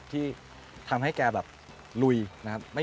คุณต้องเป็นผู้งาน